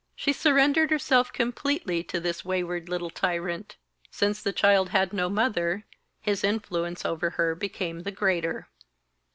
She surrendered herself completely to this wayward little tyrant. Since the child had no mother, his influence over her became the greater.